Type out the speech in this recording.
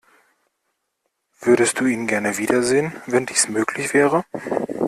Würdest du ihn gerne wiedersehen, wenn dies möglich wäre?